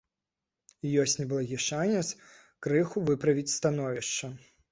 Ёсць неблагі шанец крыху выправіць становішча.